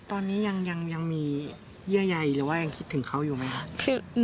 ตอนนี้ยังมีเยื่อใยหรือว่ายังคิดถึงเขาอยู่ไหมครับ